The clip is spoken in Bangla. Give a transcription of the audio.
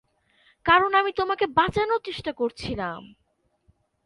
কারণ আমি তোমাকে বাচানোর চেষ্টা করছিলাম!